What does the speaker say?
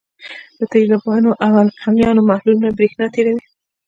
د تیزابونو او القلیو محلولونه برېښنا تیروي.